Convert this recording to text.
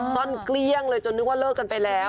ซ่อนเกลี้ยงเลยจนนึกว่าเลิกกันไปแล้ว